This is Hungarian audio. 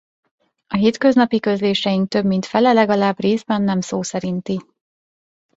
A hétköznapi közléseink több mint fele legalább részben nem szó szerinti.